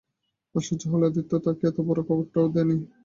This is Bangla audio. আশ্চর্য হল, আদিত্য তাকে এতবড়ো খবরটাও দেয় নি।